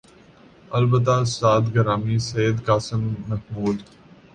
البتہ استاد گرامی سید قاسم محمود